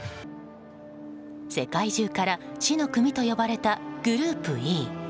世界中から死の組と呼ばれたグループＥ。